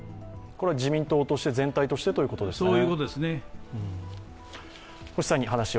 自民党として、全体としてということですか。